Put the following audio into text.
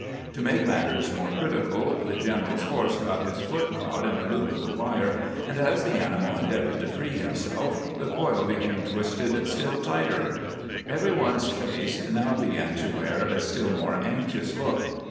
To make matters more critical, the general's horse got his foot caught in a loop of the wire, grant's naeeow escape at hatohee's eun 311 and as the animal endeavored to free himself the coil became twisted still tighter. Every one's face now be gan to wear a stUl more anxious look.